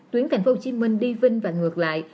tuyến thành phố hồ chí minh đi vinh và ngược lại